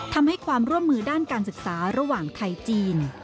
ทำให้ความร่วมมือด้านการศึกษาระหว่างไทยจีน